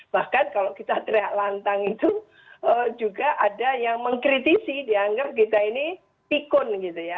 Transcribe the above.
bahkan kalau kita teriak lantang itu juga ada yang mengkritisi dianggap kita ini pikun gitu ya